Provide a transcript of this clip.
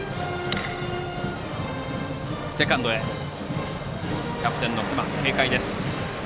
セカンド、キャプテンの隈軽快でした。